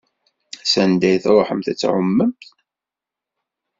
Sanda i tṛuḥemt ad tɛumemt?